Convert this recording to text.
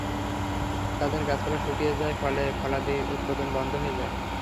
তাদের গাছপালা শুকিয়ে যায়, ফল-ফলাদি উৎপাদন বন্ধ হয়ে যায়।